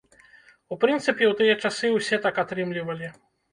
У прынцыпе, у тыя часы ўсе так атрымлівалі.